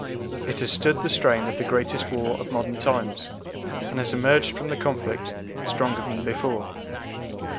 It has stood the strain of the greatest war of modern times, and has emerged from the conflict stronger than before.